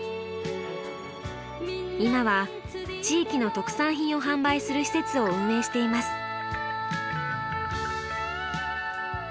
今は地域の特産品を販売する施設を運営しています。